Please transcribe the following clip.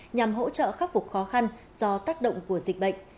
nhằm hỗ trợ khắc phục khó khăn do tác động của dịch bệnh